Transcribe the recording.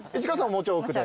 もうちょい奥で。